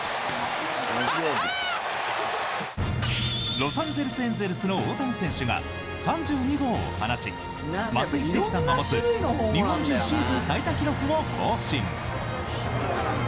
ロサンゼルス・エンゼルスの大谷選手が３２号を放ち松井秀喜さんが持つ日本人シーズン最多記録を更新！